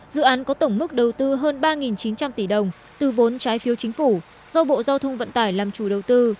dự án có tổng mức đầu tư hơn ba chín trăm linh tỷ đồng từ vốn trái phiếu chính phủ do bộ giao thông vận tải làm chủ đầu tư